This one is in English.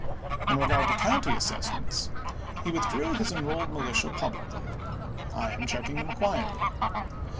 In regard to county assessments, he withdrew his Enrolled Militia publicly. I am checking them quietly.